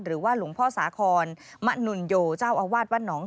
หรือว่าหลวงพ่อสาคอนมะนุนโยเจ้าอาวาสวัดหนอง